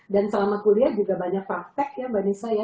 dan selama kuliah juga banyak praktek ya mbak nisa ya